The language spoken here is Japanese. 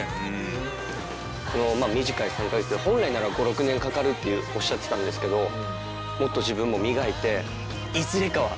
この短い３カ月で本来なら５６年かかるっておっしゃってたんですけどもっと自分も磨いていずれかは。